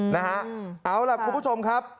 นะฮะเอาล่ะคุณผู้ชมครับ